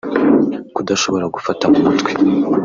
kudashobora gufata mu mutwe